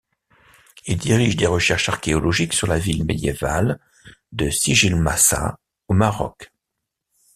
Il dirige des recherches archéologiques sur la ville médiévale de Sijilmassa au Maroc.